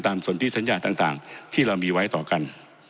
สนที่สัญญาต่างที่เรามีไว้ต่อกัน